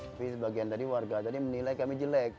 tapi sebagian dari warga tadi menilai kami jelek